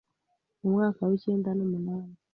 mu mwaka wi icyenda n'umunani